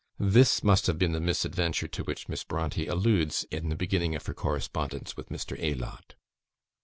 This must have been the misadventure to which Miss Brontë alludes in the beginning of her correspondence with Mr. Aylott.